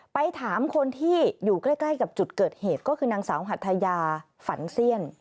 ไปถามคนที่อยู่ใกล้กับจุดเกิดเหตุก็คือนางสาวหัทยาฝันเสี้ยน